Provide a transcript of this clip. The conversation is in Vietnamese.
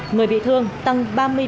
người bị thương tăng ba mươi bảy năm